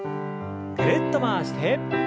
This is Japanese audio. ぐるっと回して。